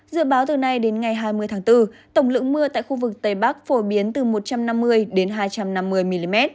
dự báo từ nay đến ngày hai mươi tháng bốn tổng lượng mưa tại khu vực tây bắc phổ biến từ một trăm năm mươi đến hai trăm năm mươi mm